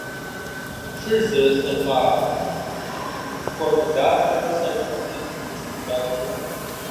Шыр зэрылъэхъа шхуэмылакӀэр сэшхуэмкӀэ зэпиупщӀын мурад иӀэт.